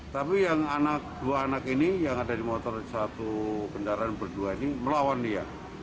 tapi yang anak dua anak ini yang ada di motor satu kendaraan berdua ini melawan dia